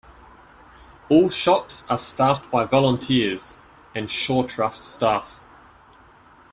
All shops are staffed by volunteers and Shaw Trust staff.